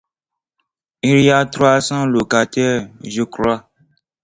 Il y a trois cents locataires, je crois.